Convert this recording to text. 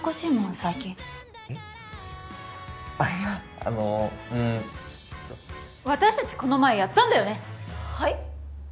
最近あっいやあのうん私達この前ヤッたんだよねはい？